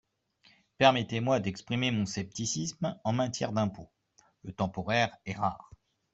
Permettez-moi d’exprimer mon scepticisme, en matière d’impôt, le temporaire est rare.